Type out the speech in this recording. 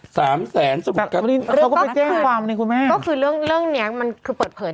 ๓แสนสรุปก็พูดความนี้คุณแม่ก็คือเรื่องเรื่องเนี้ยมันคือเปิดเผยใน